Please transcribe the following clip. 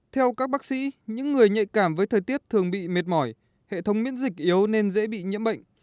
theo các bác sĩ những người nhạy cảm với thời tiết thường bị mệt mỏi hệ thống miễn dịch yếu nên dễ bị nhiễm bệnh